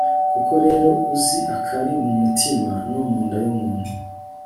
koko rero uzi akari mu mutima no mu nda y'umuntu